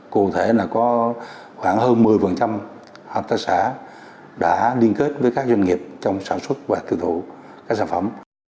cụ thể là có khoảng hơn một mươi hợp tác xã đã liên kết với các doanh nghiệp trong sản xuất và tiêu thụ các sản phẩm